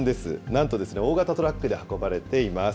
なんと大型トラックで運ばれています。